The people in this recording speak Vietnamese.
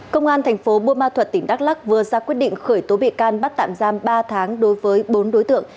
công an thành phố bô ma thuật tỉnh đắk lắc vừa ra quyết định khởi tố bị can bắt tạm giam ba tháng đối với bốn đối tượng